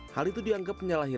hal itu dianggap menyalahi